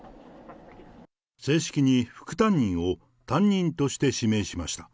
正式に副担任を担任として指名しました。